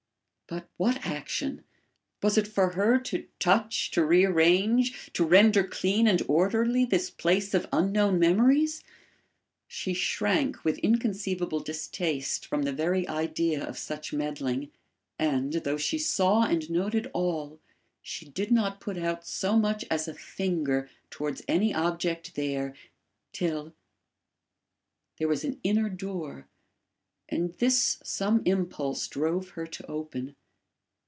But what action? Was it for her to touch, to rearrange, to render clean and orderly this place of unknown memories? She shrank with inconceivable distaste from the very idea of such meddling; and, though she saw and noted all, she did not put out so much as a finger towards any object there till There was an inner door, and this some impulse drove her to open.